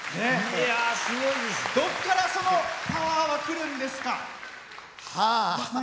どこから、そのパワーはくるんですか？